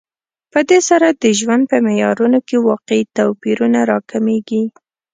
په دې سره د ژوند په معیارونو کې واقعي توپیرونه راکمېږي